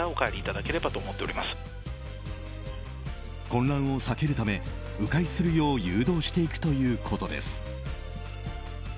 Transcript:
混乱を避けるため迂回するよう誘導していくということです。